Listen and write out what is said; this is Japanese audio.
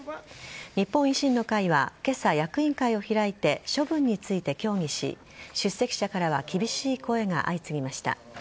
日本維新の会は今朝役員会を開いて処分について協議し出席者からは厳しい声が相次ぎました。